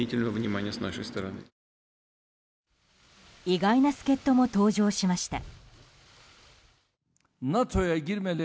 意外な助っ人も登場しました。